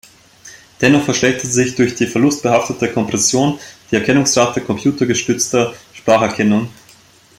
Dennoch verschlechtert sich durch die verlustbehaftete Kompression die Erkennungsrate computergestützter Spracherkennung.